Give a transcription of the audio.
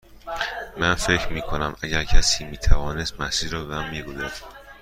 من فکر می کنم اگر کسی می توانست مسیر را به من بگوید.